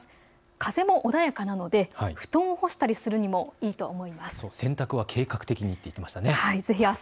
風も穏やかなので布団を干したりするのにもいいと思います。